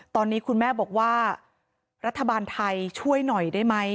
ตอนนี้คุณแม่บอกว่ารัฐบาลไทยช่วยหน่อยได้ไหม